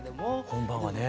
本番はね